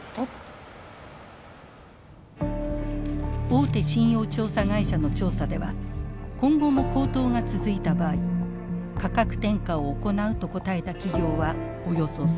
大手信用調査会社の調査では今後も高騰が続いた場合価格転嫁を行うと答えた企業はおよそ３割。